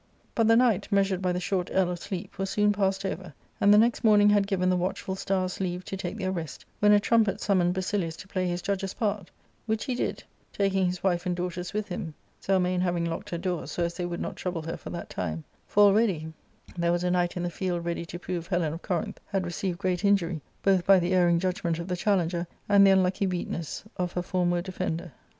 But the night, measured by the short ell of sleep, was soon past over, and the next morning had given the watchful stars leave to take their rest, when a trumpet summoned Basilius to play his judge's part ; which he did, taking his wife and daughters with him, 2^1mane having locked her door so as they would not trouble her for that time ; for already there was a knight in the field ready to prove Hekgj^ Corinth had / received great injury, both by the erring judgment of the ^ I challenger and the unlucky weakness of her form^Mdefender.